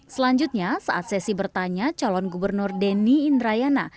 selanjutnya saat sesi bertanya calon gubernur denny indrayana